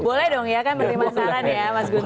boleh dong ya kan menerima saran ya mas gunung